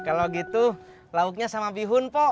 kalau gitu lauknya sama bihun pak